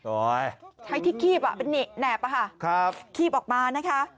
โอ๊ยไทยที่คีบนี่แนบป่ะคะคีบออกมานะคะ